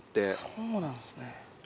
そうなんですね。